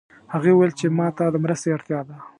هغې وویل چې ما ته د مرستې اړتیا ده